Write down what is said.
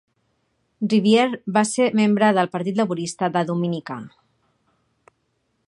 Riviere va ser membre del Partit Laborista de Dominica.